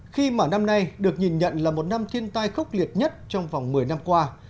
khi mà năm nay được nhìn nhận là một năm thiên tai khốc liệt nhất trong vòng một mươi năm qua